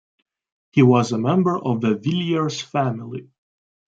He was a member of the Villiers family.